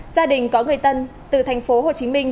gia đình có người tân từ thành phố hồ chí minh